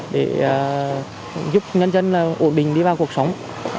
để giúp nhân dân ổn định đi vào cuộc sống